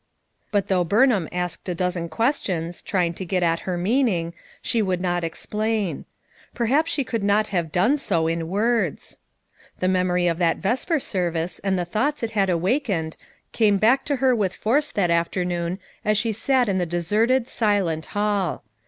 But though Burnham asked a dozen ques tions, trying to get at her meaning, she would not explain. Perhaps she could not have done so, in words. The memory of that vesper service and the thoughts it had awakened came back to her with force that afternoon as she sat in the de serted, silent hall.